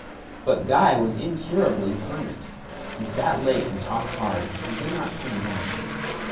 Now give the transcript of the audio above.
But Guy was incurably hermit. He sat late and talked hard, and did not come again.